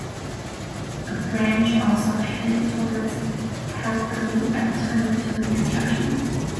A branch also headed towards Heathcote at the time of tunnel construction.